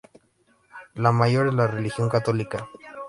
La mayor es la religión católica.